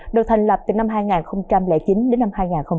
được thành lập từ năm hai nghìn chín đến năm hai nghìn một mươi ba